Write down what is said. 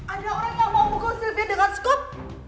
ada orang yang mau mukul sylvia dengan cukup